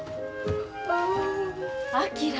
昭！